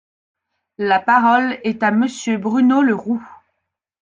La parole est à Monsieur Bruno Le Roux.